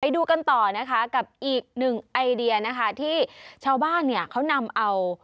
ดูกันต่อนะคะกับอีกหนึ่งไอเดียนะคะที่ชาวบ้านเนี่ยเขานำเอา